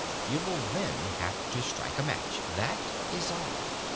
You will then have to strike a match that is all.